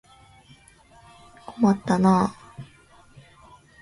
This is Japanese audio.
困ったなあ。